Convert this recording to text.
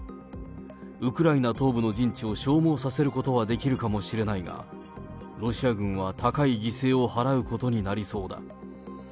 ウクライナ東部の陣地を消耗させることはできるかもしれないが、ロシア軍は高い犠牲を払うことになりそうだ。